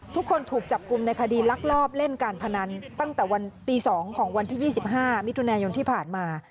ทุกคนถูกจับกลุ่มในคดีลักลอบเล่นการพนันตั้งแต่วันตี๒ของวันที่๒๕มิถุนายนที่ผ่านมา